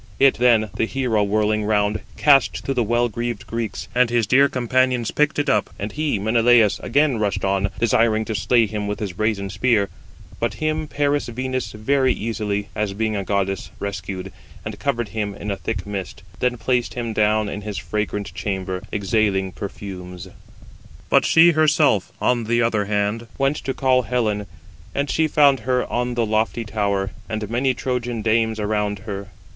It, then, the hero whirling round, cast to the well greaved Greeks, and his dear companions took it up. And he [Menelaus] again rushed on, desiring to slay him with his brazen spear: but him [Paris] Venus very easily, as being a goddess, rescued, and covered him in a thick mist; then placed him down in his fragrant chamber, exhaling perfumes. Footnote 162: (return) I.e. Menelaus.—to his confusion. But she herself, on the other hand, went to call Helen, and she found her on the lofty tower, and many Trojan dames around her.